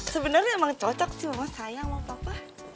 sebenarnya emang cocok sih mama sayang sama papa